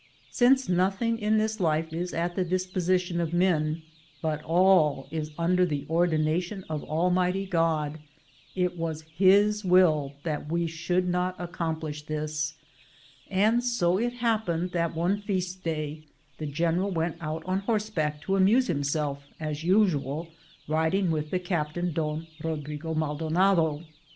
Since noth ing in this life is at the disposition of men, but all is under the ordination of Almighty God, it was His will that we should not ac complish this, and so it happened that one feast day the general went out on horseback to amuse himself, as usual, riding with the captain Don Kodrigo Maldonado.